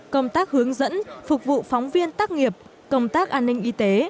công tác hướng dẫn phục vụ phóng viên tác nghiệp công tác an ninh y tế